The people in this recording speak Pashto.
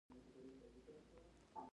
ماشومان باید له ماشومتوبه پښتو زده کړي.